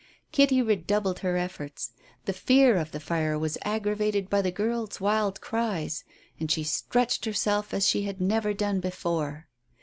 Kitty redoubled her efforts. The fear of the fire was aggravated by the girl's wild cries, and she stretched herself as she had never done before.